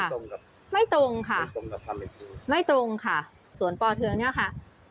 มันไม่ตรงไม่ตรงค่ะไม่ตรงค่ะสวนป่อเทืองเนี่ยค่ะ